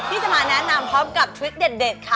ที่จะมาแนะนำพร้อมกับทริคเด็ดค่ะ